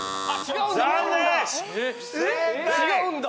違うんだ！